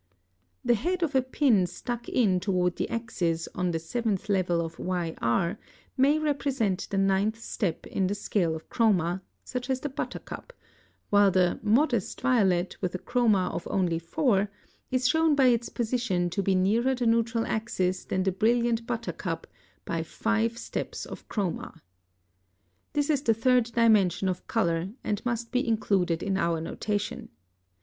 The head of a pin stuck in toward the axis on the 7th level of YR may represent the 9th step in the scale of chroma, such as the buttercup, while the "modest" violet with a chroma of only 4, is shown by its position to be nearer the neutral axis than the brilliant buttercup by five steps of chroma. This is the third dimension of color, and must be included in our notation.